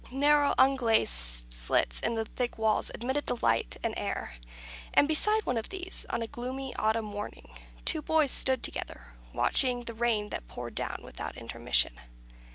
Narrow unglazed slits in the thick wall admitted the light and air; and beside one of these, on a gloomy autumn morning, two boys stood together, watching the rain that poured down without intermission.